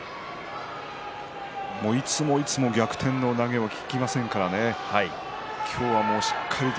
いつもいつも逆転の投げは効きませんからね。